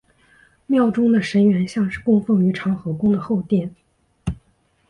庙中的神像原是供奉于长和宫的后殿。